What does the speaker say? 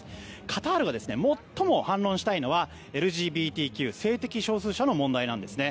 カタールが最も反論したいのはＬＧＢＴＱ性的少数者の問題なんですね。